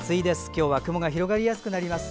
今日は雲が広がりやすくなります。